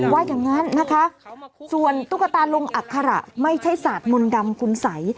ว่าอย่างนั้นนะคะส่วนตุ๊กตาลงอัคระไม่ใช่ศาสตร์มนต์ดำคุณสัย